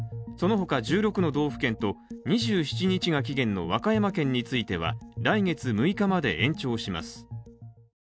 そのほか１６の道府県と２７日が期限の和歌山県については来月６日まで延長します。